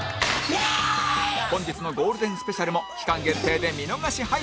本日のゴールデンスペシャルも期間限定で見逃し配信！